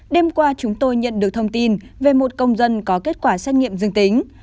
đêm qua chúng tôi nhận được thông tin về một công dân có kết quả xét nghiệm dương tính